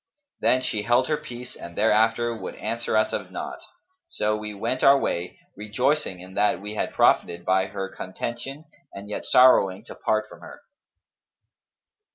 Then she held her peace and thereafter would answer us of naught; so we went our way, rejoicing in that we had profited by her contention and yet sorrowing to part from her."